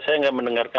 saya enggak mendengarkan